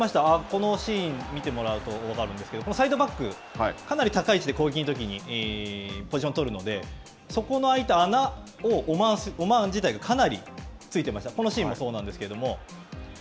このシーン、見てもらうと、分かるんですけれども、サイドバック、かなり高い位置で攻撃のときにポジションをとるので、そこの空いた穴をオマーン自体がかなりついてました。